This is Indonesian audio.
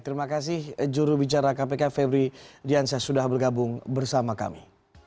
terima kasih jurubicara kpk febri diansyah sudah bergabung bersama kami